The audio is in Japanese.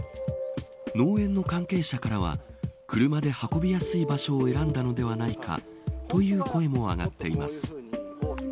農園の関係者からは車で運びやすい場所を選んだのではないかという声も上がっています。